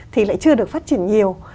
thì lại chưa được phát triển nhiều